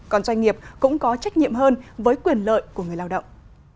còn doanh nghiệp cũng có trách nhiệm hơn với quyền lợi của người lao động